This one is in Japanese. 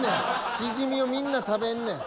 シジミをみんな食べんねん。